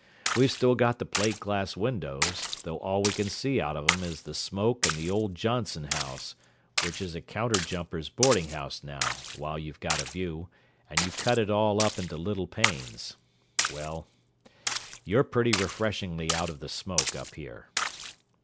We've still got the plate glass windows, though all we can see out of 'em is the smoke and the old Johnson house, which is a counter jumper's boardinghouse now, while you've got a view, and you cut it all up into little panes. Well, you're pretty refreshingly out of the smoke up here."